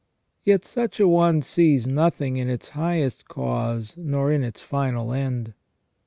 Yet such a one sees nothing in its highest cause nor in its final end.